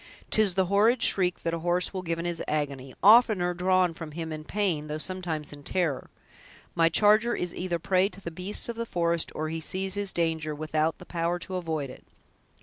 'Tis the horrid shriek that a horse will give in his agony; oftener drawn from him in pain, though sometimes in terror. My charger is either a prey to the beasts of the forest, or he sees his danger, without the power to avoid it.